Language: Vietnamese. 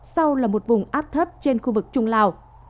sau là một vùng áp thấp trên khu vực trung lào